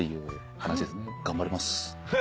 頑張ります。